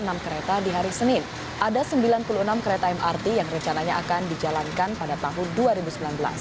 di hari senin ada sembilan puluh enam kereta mrt yang rencananya akan dijalankan pada tahun dua ribu sembilan belas